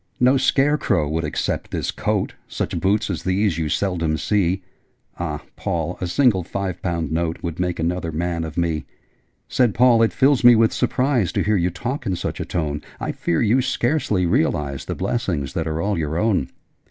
'No scare crow would accept this coat: Such boots as these you seldom see. Ah, Paul, a single five pound note Would make another man of me!' Said Paul 'It fills me with surprise To hear you talk in such a tone: I fear you scarcely realise The blessings that are all your own!